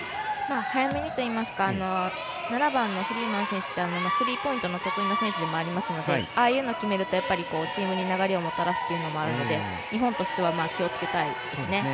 早めにといいますか７番のフリーマン選手はスリーポイントの得意な選手でもありますのでああいうのを決めるとチームに流れをもたらすというのもあるので日本としては気をつけたいですね。